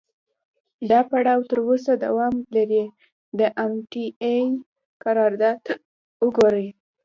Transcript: دا پړاو تر اوسه دوام لري، د ام ټي اې قرارداد وګورئ.